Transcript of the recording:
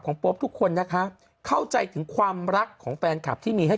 โป๊ปทุกคนนะคะเข้าใจถึงความรักของแฟนคลับที่มีให้